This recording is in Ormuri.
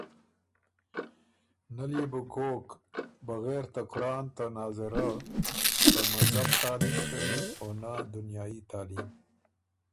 نۀ ليې بو کوک بغېر ته قرآن ته ناظره ته مذهب تعلیم ڒوّن او نه دنیايي تعلیم۔